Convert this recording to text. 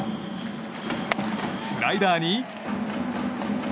スライダーに。